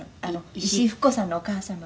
石井ふく子さんのお母様です」